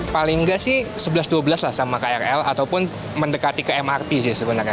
paling nggak sih sebelas dua belas lah sama krl ataupun mendekati ke mrt sih sebenarnya